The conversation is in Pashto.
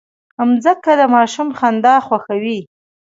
مځکه د ماشوم خندا خوښوي.